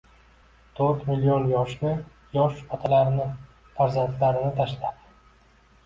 to'rt million yoshni – yosh otalarni farzandlarini tashlab